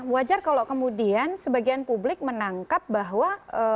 wajar kalau kemudian sebagian publik menangkap bahwa